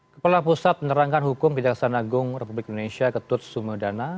kepala pusat menerangkan hukum kejaksaan agung republik indonesia ketut sumedana